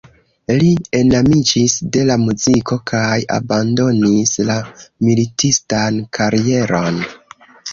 Li enamiĝis de la muziko kaj abandonis la militistan karieron.